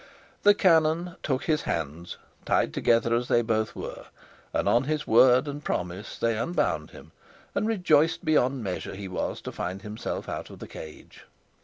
The canon took his hand, tied together as they both were, and on his word and promise they unbound him, and rejoiced beyond measure he was to find himself out of the cage.